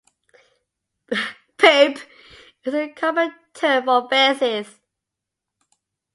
Poop is the common term for feces.